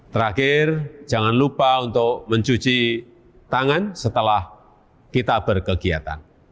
terakhir jangan lupa untuk mencuci tangan setelah kita berkegiatan